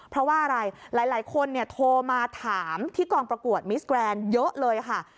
เพราะว่าอะไรหลายคนโทรมาถามที่กองประกวดมิสแกรนด์เยอะเลยค่ะ